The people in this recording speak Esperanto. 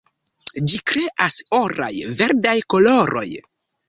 Ĝi kreas oraj-verdaj koloroj.